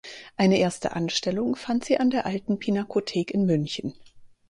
Eine erste Anstellung fand sie an der Alten Pinakothek in München.